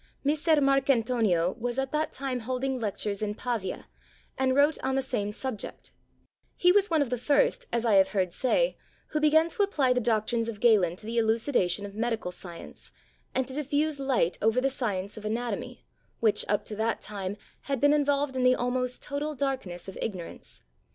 Messer Marcantonio was at that time holding lectures in Pavia, and wrote on the same subject; he was one of the first, as I have heard say, who began to apply the doctrines of Galen to the elucidation of medical science, and to diffuse light over the science of anatomy, which, up to that time, had been involved in the almost total darkness of ignorance.